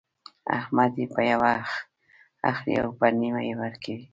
احمد يې په يوه اخلي او په نيمه يې ورکوي.